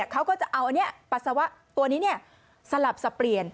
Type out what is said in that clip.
เขาก็จะเอาอันนี้ปัสสาวะตัวนี้สลับสับเปลี่ยน